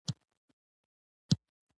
په نسخه کې نښانۍ پاڼې پرتې وې.